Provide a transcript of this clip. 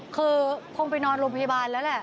คือคงไปนอนโรงพยาบาลแล้วแหละ